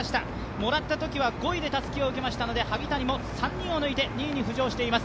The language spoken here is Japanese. もらったときは５位でたすきを受けましたので、２位に浮上しています。